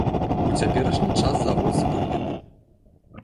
У цяперашні час завод спынены.